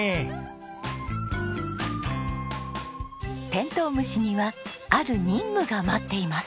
テントウムシにはある任務が待っています。